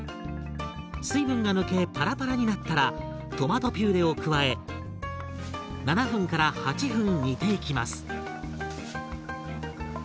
水分が抜けパラパラになったらトマトピューレを加え７分から８分煮ていきます。